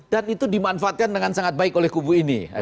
dan itu dimanfaatkan dengan sangat baik oleh kubu ini